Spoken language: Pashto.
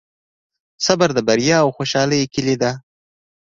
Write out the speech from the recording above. صبر د بریا او خوشحالۍ کیلي ده.